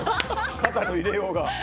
肩の入れようが。